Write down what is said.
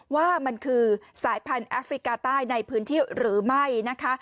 ว่ามันคือสายพันธุ์แอฟริกาใต้ในพื้นที่หรือไม่นะคะ